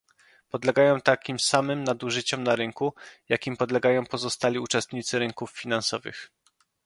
Podlegają takim samym nadużyciom na rynku, jakim podlegają pozostali uczestnicy rynków finansowych